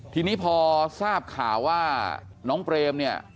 ทีนี้พอทราบข่าวว่าน้องเปรมเนี่ย